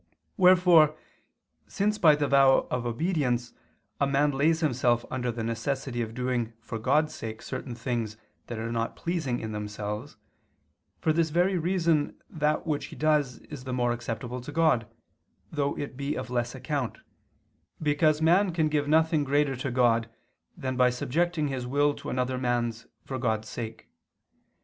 Wherefore since by the vow of obedience a man lays himself under the necessity of doing for God's sake certain things that are not pleasing in themselves, for this very reason that which he does is the more acceptable to God, though it be of less account, because man can give nothing greater to God, than by subjecting his will to another man's for God's sake.